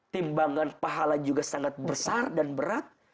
timbangan pahala juga sangat besar dan berat